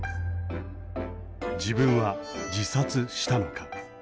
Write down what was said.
自分は自殺したのか。